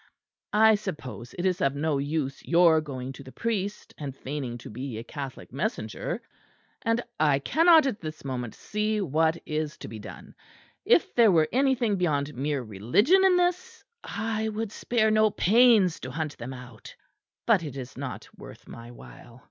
I suppose it is of no use your going to the priest and feigning to be a Catholic messenger; and I cannot at this moment see what is to be done. If there were anything beyond mere religion in this, I would spare no pains to hunt them out; but it is not worth my while.